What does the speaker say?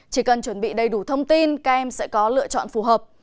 chỉ cần chuẩn bị đầy đủ thông tin các em sẽ có lựa chọn phù hợp